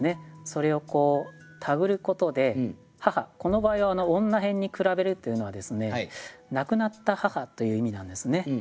それを手繰ることで「妣」この場合は女偏に比べるというのはですね亡くなった母という意味なんですね。